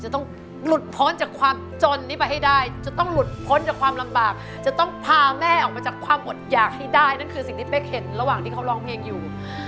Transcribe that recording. จะต้องหลุดพ้นจากความจนนี้ไปให้ได้จะต้องหลุดพ้นจากความลำบากจะต้องพาแม่ออกมาจากความอดหยากให้ได้นั่นคือสิ่งที่เป๊กเห็นระหว่างที่เขาร้องเพลงอยู่